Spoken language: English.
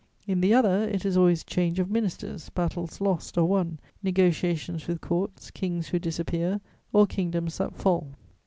In the other, it is always change of ministers, battles lost or won, negociations with Courts, kings who disappear, or kingdoms that fall.